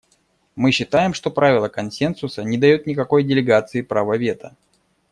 Мы считаем, что правило консенсуса не дает никакой делегации права вето.